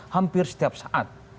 hampir setiap saat